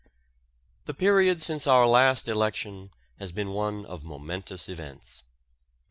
The period since our last election has been one of momentous events.